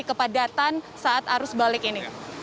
untuk mengantisipasi kepadatan saat arus balik ini